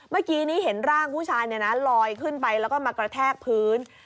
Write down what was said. เมื่อกี้นี้เห็นร่างผู้ชายลอยขึ้นไปแล้วก็มากระแทกพื้น